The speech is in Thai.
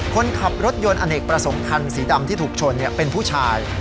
คนขับรถยนต์อเนกประสงค์คันสีดำที่ถูกชนเป็นผู้ชาย